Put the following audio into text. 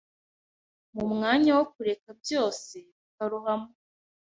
Mpa umwanya wo kureka byose bikarohama.